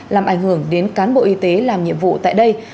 làm ảnh hưởng đến cán bộ y tế làm nhiệm vụ tại đây